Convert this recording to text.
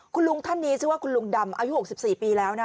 คุณลุงท่านนี้ชื่อว่าคุณลุงดำอายุ๖๔ปีแล้วนะ